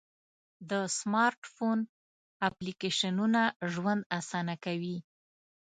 د سمارټ فون اپلیکیشنونه ژوند آسانه کوي.